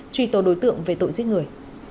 truy tố đối tượng về tội giết người